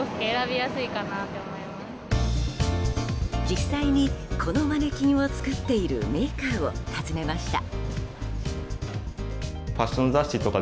実際にこのマネキンを作っているメーカーを訪ねました。